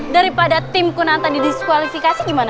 daripada tim kuna tadi di disqualifikasi gimana